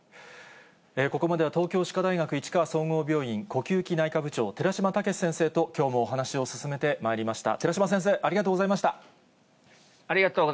ここまでは東京歯科大学市川総合病院呼吸器内科部長、寺嶋毅先生ときょうもお話を進めてまいりました。